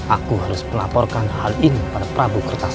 aku harus melaporkan hal ini pada prabu kertas